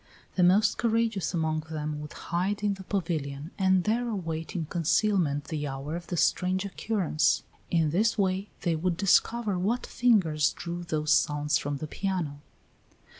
The most courageous among them would hide in the pavilion, and there await in concealment the hour of the strange occurrence; in this way they would discover what fingers drew those sounds from the piano.